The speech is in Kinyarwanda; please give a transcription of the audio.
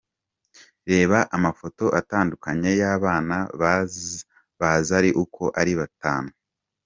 Reba Amafoto atandukanye y’abana ba Zari uko ari batanu:.